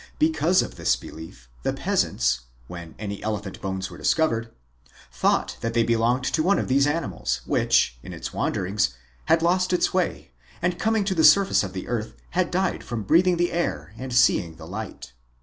Because of this belief, the peasants, when any elephant bones were discovered, thought 116 MIGHTY ANIMALS that they belonged to one of these animals which, in its wanderings, had lost its way and, coming to the surface of the earth, had died from breath ing the air and seeing the light.